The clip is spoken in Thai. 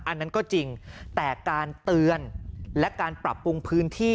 อันนั้นก็จริงแต่การเตือนและการปรับปรุงพื้นที่